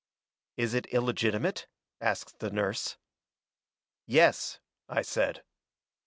'" "'It is illegitimate?' asked the nurse. "'Yes,' I said."